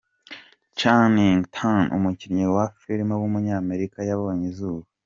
Channing Tatum, umukinnyi wa filime w’umunyamerika yabonye izuba.